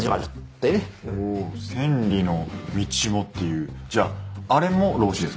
おお「千里の道も」っていうじゃああれも『老子』ですか？